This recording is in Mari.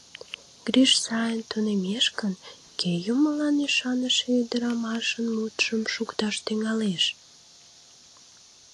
— Гриш сайын тунемеш гын, кӧ юмылан ӱшаныше ӱдырамашын мутшым шукташ тӱҥалеш?